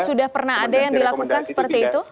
sudah pernah ada yang dilakukan seperti itu